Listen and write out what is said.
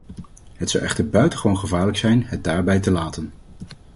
Het zou echter buitengewoon gevaarlijk zijn het daarbij te laten!